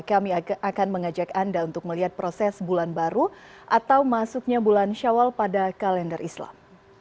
kami akan mengajak anda untuk melihat proses bulan baru atau masuknya bulan syawal pada kalender islam